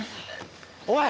おい！